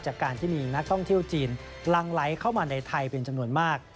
จากการที่มีนักท่องเที่ยวจีนลังไหลเข้ามาในไทยเป็นจำนวนมาก